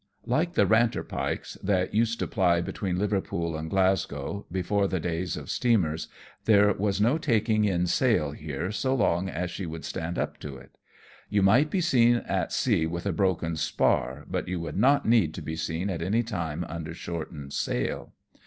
Like the Ranter'pikes, that used to ply between Liverpool and Glasgow, before the days of steamers, there was no taking in sail here so long as she would stand up to it. You might be seen at sea with a broken spar, but you would not need to be seen at any time under shortened sail.